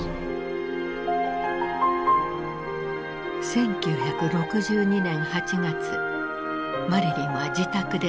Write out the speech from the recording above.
１９６２年８月マリリンは自宅で亡くなった。